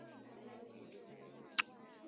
长苞紫茎为山茶科紫茎属下的一个种。